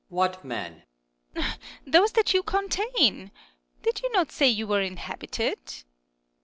What men ? Earth. Those that you contain. Did you not say you were inhabited